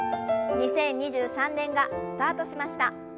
２０２３年がスタートしました。